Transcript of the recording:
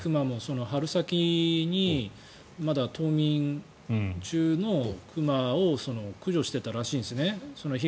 春先にまだ冬眠中の熊を駆除していたらしいんですね。